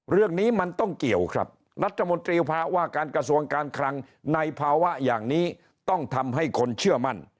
เรื่องนี้มันต้องเกี่ยวครับรัฐมนตรีภาวะการกระทรวงการคลังในภาวะอย่างนี้ต้องทำให้คนเชื่อมั่น